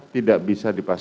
tidak bisa dipastikan